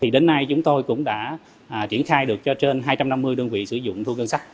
đến nay chúng tôi cũng đã triển khai được cho trên hai trăm năm mươi đơn vị sử dụng thu ngân sách